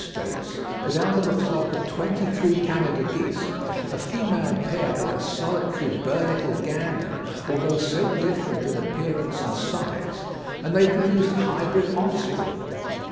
states that out of a flock of twenty three Canada geese, a female paired with a solitary Bernicle gander, although so different in appearance and size; and they produced hybrid offspring.